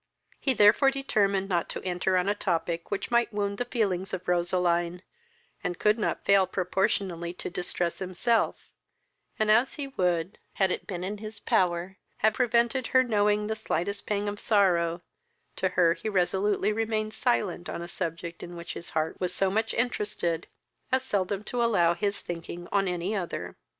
He therefore determined not to enter on a topic which might wound the feelings of Roseline, and could not fail proportionably to distress himself; and as he would, had it been in his power, have prevented her knowing the slightest pang of sorrow, to her he resolutely remained silent on a subject in which his heart was so much interested, as seldom to allow his thinking on any other.